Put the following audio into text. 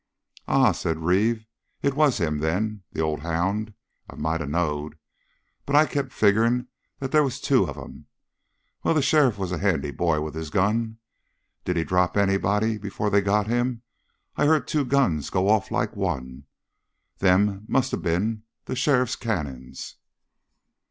"Ah," said Reeve, "it was him, then the old hound! I might have knowed! But I kep' on figuring that they was two of 'em! Well, the sheriff was a handy boy with his gun. Did he drop anybody before they got him? I heard two guns go off like one. Them must of been the sheriff's cannons."